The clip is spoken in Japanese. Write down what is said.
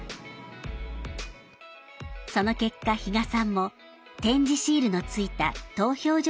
その結果比嘉さんも点字シールのついた投票所